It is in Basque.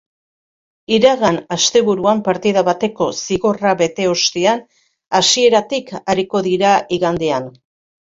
Iragan asteburuan partida bateko zigorra bete ostean hasieratik ariko dira igandean.